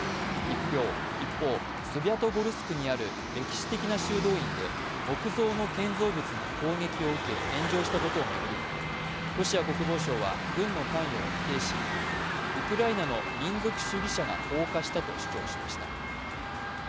一方、スビャトゴルスクにある歴史的な修道院で木造の建造物が攻撃を受け、炎上したことを巡り、ロシア国防省は軍の関与を否定し、ウクライナの民族主義者が放火したと主張しました。